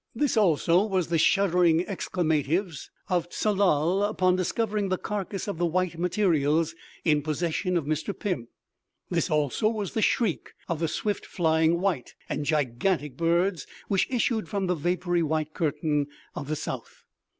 This also was the shuddering exclamatives of Tsalal upon discovering the carcass of the _white_materials in possession of Mr. Pym. This also was the shriek of the swift flying, _white, _and gigantic birds which issued from the vapory _white_curtain of the South.